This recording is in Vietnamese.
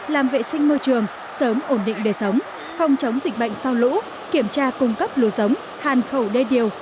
làm vệ sinh môi trường sớm ổn định đời sống phòng chống dịch bệnh sau lũ kiểm tra cung cấp lúa giống hàn khẩu đê điều